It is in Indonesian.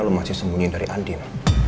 lu masih sembunyi dari andin